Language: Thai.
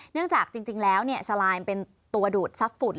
เนื่องจากจริงแล้วเนี่ยสไลม์เป็นตัวดูดซับฝุ่น